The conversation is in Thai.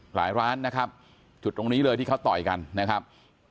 ร้านนะครับจุดตรงนี้เลยที่เขาต่อยกันนะครับ